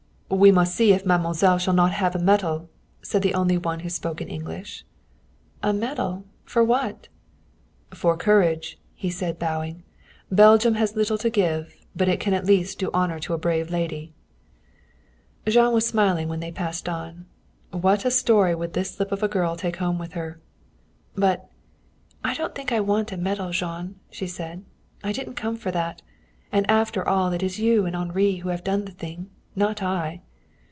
"We must see if mademoiselle shall not have a medal," said the only one who spoke English. "A medal? For what?" "For courage," he said, bowing. "Belgium has little to give, but it can at least do honor to a brave lady." Jean was smiling when they passed on. What a story would this slip of a girl take home with her! But: "I don't think I want a medal, Jean," she said. "I didn't come for that. And after all it is you and Henri who have done the thing not I."